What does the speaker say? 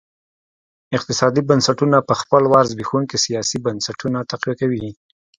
اقتصادي بنسټونه په خپل وار زبېښونکي سیاسي بنسټونه تقویه کوي.